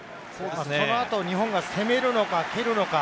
そのあと日本が攻めるのか蹴るのか。